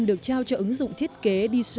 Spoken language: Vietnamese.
được trao cho ứng dụng thiết kế